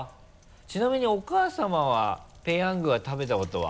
ちなみにお母様は「ペヤング」は食べたことは？